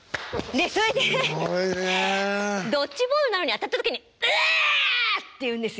でそれでドッジボールなのに当たった時に「ウワ！」って言うんですよ。